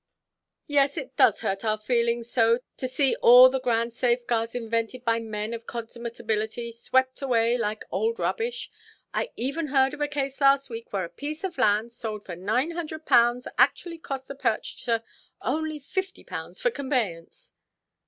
"Yes. It does hurt our feelings so to see all the grand safeguards, invented by men of consummate ability, swept away like old rubbish. I even heard of a case last week, where a piece of land, sold for 900_l_., actually cost the purchaser only 50_l_. for conveyance!"